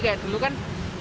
kayak dulu kan